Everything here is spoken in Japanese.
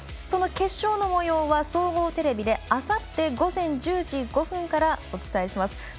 その決勝のもようは総合テレビであさって午前１０時５分からお伝えします。